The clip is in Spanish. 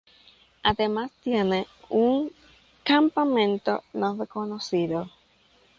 Además, tiene un campamento no reconocido.